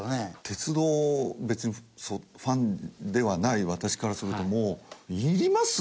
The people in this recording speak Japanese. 鉄道別にファンではない私からするともういります？